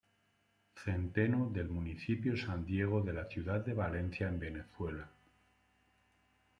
Centeno del Municipio San Diego de la ciudad de Valencia en Venezuela.